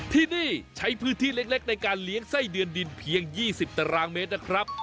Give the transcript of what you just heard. ที่นี่ใช้พื้นที่เล็กในการเลี้ยงไส้เดือนดินเพียง๒๐ตารางเมตรนะครับ